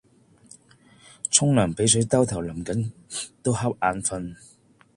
沖涼比水兜頭淋緊都恰眼瞓